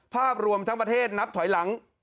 ภาพรวมทั้งประเทศนับถอยหลัง